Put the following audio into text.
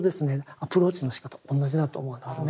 アプローチのしかた同じだと思うんですね。